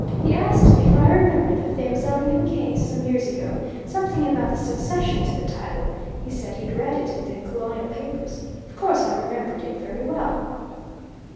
He asked me if I remembered the famous Ellingham case, some years ago something about the succession to the title he said he'd read it in the Colonial papers. Of course, I remembered it very well."